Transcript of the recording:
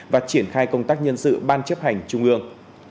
và triển khai công tác nhân sự ban chấp hành trung ương